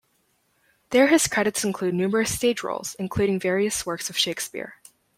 There his credits include numerous stage roles, including various works of Shakespeare.